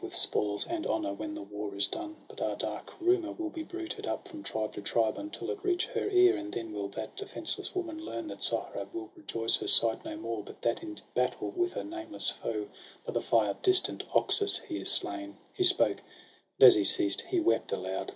With spoils and honour, when the war is done. But a dark rumour will be bruited up, From tribe to tribe, until it reach her ear ; And then will that defenceless woman learn That Sohrab will rejoice her sight no more ; But that in battle with a nameless foe, By the far distant Oxus, he is slain.' He spoke ; and as he ceased, he wept aloud.